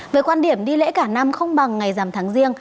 về quan điểm đi lễ cả năm không bằng ngày giảm tháng riêng